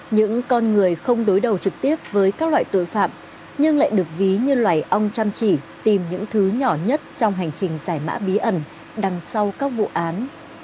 những con người không đối đầu trực tiếp với các loại tội phạm nhưng lại được ví như loài ong chăm chỉ tìm những thứ nhỏ nhất trong hành trình giải mã bí ẩn đằng sau các vụ án